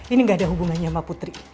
ini gak ada hubungannya sama putri